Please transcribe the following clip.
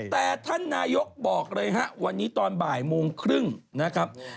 แต่ท่านนายกบอกเลยฮะวันนี้ตอนบ่ายโมงครึ่งนะครับ